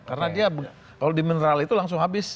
karena dia kalau di mineral itu langsung habis